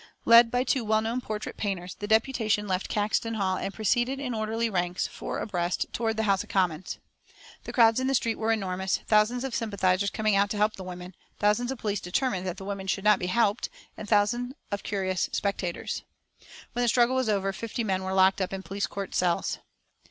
Led by two well known portrait painters, the deputation left Caxton Hall and proceeded in orderly ranks, four abreast, toward the House of Commons. The crowds in the streets were enormous, thousands of sympathisers coming out to help the women, thousands of police determined that the women should not be helped, and thousands of curious spectators. When the struggle was over, fifty women were locked up in police court cells.